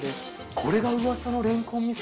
これがうわさのれんこん味噌。